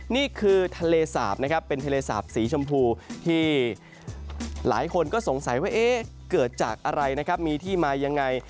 นี่คือทะเลสาบนะครับเป็นทะเลสาปสีชมพูที่หลายคนก็สงสัยว่าเอ๊ะเกิดจากอะไรนะครับมีที่มายังไง